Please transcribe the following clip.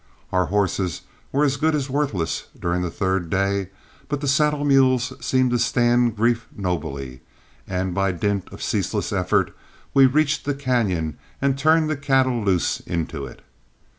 Our horses were as good as worthless during the third day, but the saddle mules seemed to stand grief nobly, and by dint of ceaseless effort we reached the cañon and turned the cattle loose into it.